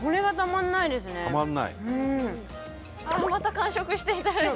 また完食していただいて。